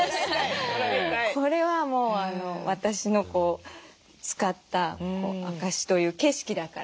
これはもう私の使った証しという景色だから。